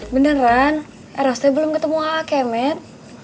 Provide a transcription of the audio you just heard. beneran erosnya belum ketemu akemet